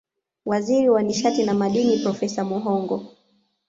Waziri wa nishati na Madini Profesa Muhongo